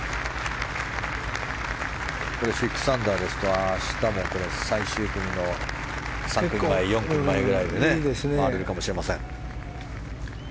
これで６アンダーですが明日も最終組の３組、４組前ぐらいで回れるかもしれません。